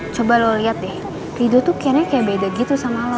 coba lo liat deh rido tuh kayaknya beda gitu sama lo